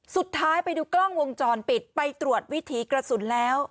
สุดท้ายไปดูกล้องวงจรปิดไปตรวจวิถีกระสุนแล้ว